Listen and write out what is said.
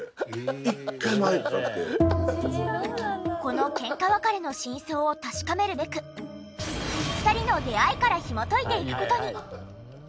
このケンカ別れの真相を確かめるべく２人の出会いからひもといていく事に！